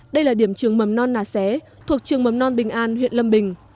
đây là điểm trường mầm non nà xé thuộc trường mầm non bình an huyện lâm bình